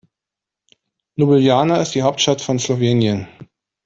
Ljubljana ist die Hauptstadt von Slowenien.